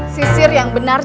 sisir yang benar